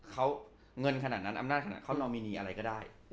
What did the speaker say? เขาเงินขนาดนั้นอำนาจขนาดเขาเราไม่มีอะไรก็ได้